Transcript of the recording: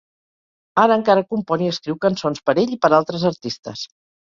Ara encara compon i escriu cançons per ell i per altres artistes.